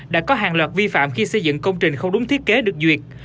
đã có hàng loạt vi phạm khi xây dựng công trình không đúng thiết kế được duyệt